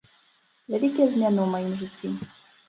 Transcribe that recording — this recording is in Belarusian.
Вялікія змены ў маім жыцці!